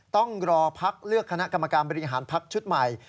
ต้องรอพักเลือกคณะกรรมการบริหารพักชุดใหม่